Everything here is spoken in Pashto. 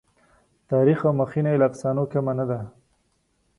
تاریخ او مخینه یې له افسانو کمه نه ده.